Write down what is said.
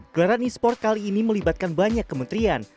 gelaran e sport kali ini melibatkan banyak kementerian